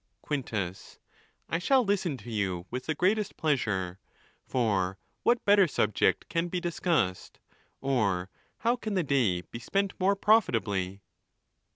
Quintus.—I shall listen to you with the greatest pleasure, for what better subject can be discussed, or how can the day be spent more profitably